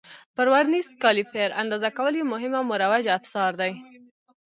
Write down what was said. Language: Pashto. پر ورنیز کالیپر اندازه کول یو مهم او مروج افزار دی.